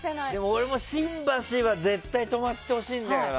俺も新橋は絶対止まってほしいんだよな。